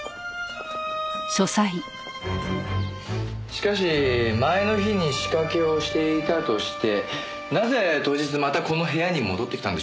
しかし前の日に仕掛けをしていたとしてなぜ当日またこの部屋に戻ってきたんでしょうか？